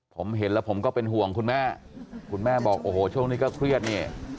ผมเห็นแล้วผมก็เป็นห่วงคุณแม่คุณแม่บอกโอ้โหช่วงนี้ก็เครียดนี่